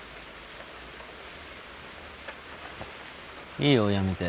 いいよ辞めて。